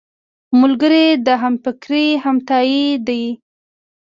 ملګری د همفکرۍ همتيا دی